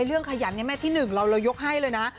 เรื่องขยันแม่ที่หนึ่งเรายกให้เลยนะ